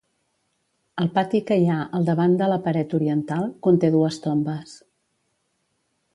El pati que hi ha al davant de la paret oriental conté dues tombes.